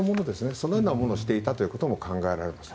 そのようなものをしていたことも考えられます。